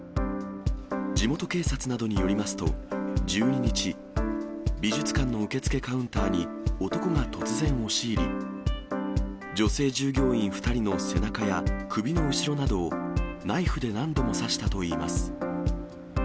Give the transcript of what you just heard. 地元警察などによりますと、１２日、美術館の受付カウンターに、男が突然押し入り、女性従業員２人の背中や首の後ろなどをナイフで何度も刺したといいます。